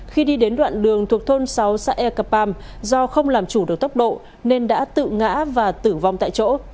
khi đi đến đoạn đường thuộc thôn sáu xã ea cập am do không làm chủ được tốc độ nên đã tự ngã và tử vong tại chỗ